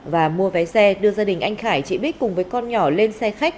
và mua vé xe đưa gia đình anh khải chị bích cùng với con nhỏ lên xe khách